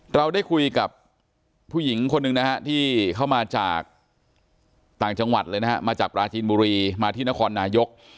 เราได้คุยกับผู้หญิงคนหนึ่งนะฮะที่เข้ามาจากต่างจังหวัดเลยนะฮะมาจากปราจีนบุรีมาที่นครนายก